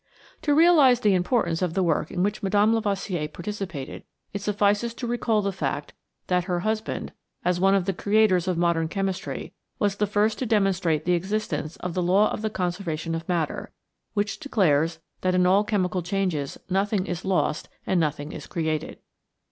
To realize the importance of the work in which Mme. Lavoisier participated, it suffices to recall the fact that her husband, as one of the creators of modern chemistry, was the first to demonstrate the existence of the law of the conservation of matter, which declares that in all chemical changes nothing is lost and nothing is created.